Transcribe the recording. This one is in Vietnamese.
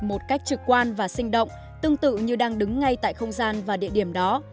một cách trực quan và sinh động tương tự như đang đứng ngay tại không gian và địa điểm đó